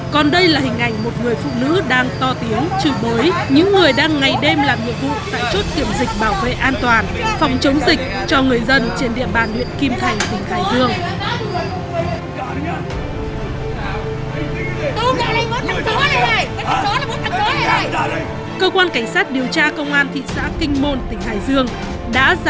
còn đây là hình ảnh một người phụ nữ đang to tiếng trừ bới những người đang ngày đêm làm nhiệm vụ tại chốt kiểm dịch bảo vệ an toàn phòng chống dịch cho người dân trên địa bàn huyện kim thành tỉnh hải dương